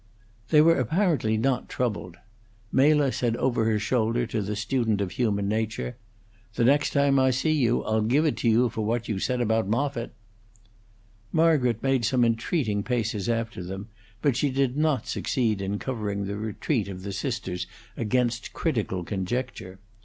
They were apparently not troubled. Mela said over her shoulder to the student of human nature, "The next time I see you I'll give it to you for what you said about Moffitt." Margaret made some entreating paces after them, but she did not succeed in covering the retreat of the sisters against critical conjecture.